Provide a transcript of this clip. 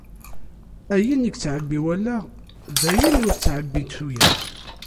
Ayen i yettɛebbi wallaɣ, d ayen ur ttɛebbint tuyat.